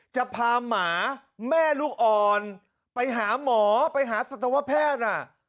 จะพาหมาแม่ลูกอ่อนไปหาหมอไปหาสัตวแพทย์